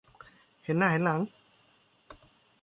เห็นหน้าเห็นหลัง